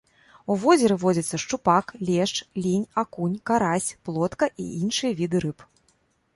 У возеры водзяцца шчупак, лешч, лінь, акунь, карась, плотка і іншыя віды рыб.